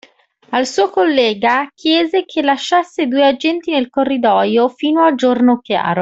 Al suo collega chiese che lasciasse due agenti nel corridoio fino a giorno chiaro.